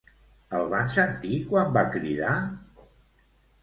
El van sentir quan va cridar?